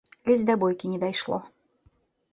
Ледзь да бойкі не дайшло.